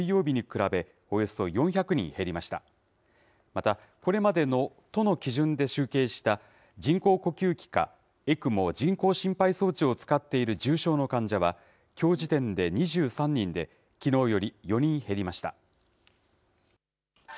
また、これまでの都の基準で集計した、人工呼吸器か、ＥＣＭＯ・人工心肺装置を使っている重症の患者は、きょう時点で２３人で、きのうより４人減りました。